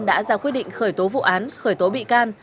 đã ra quyết định khởi tố vụ án khởi tố bị can